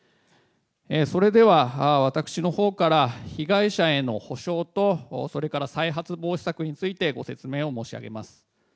それでは、私のほうから被害者への補償とそれから再発防止策について、ご説明を申し上げます。